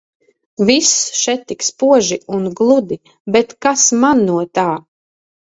Viss še tik spoži un gludi, bet kas man no tā.